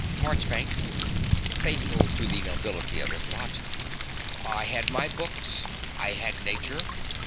MARCHBANKS (faithful to the nobility of his lot). I had my books. I had Nature.